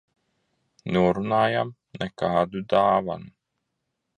Norunājām - nekādu dāvanu.